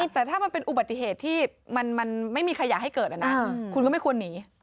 แต่ถ้ามันเป็นอุบัติเหตุที่มันไม่มีใครอยากให้เกิดนะคุณก็ไม่ควรหนี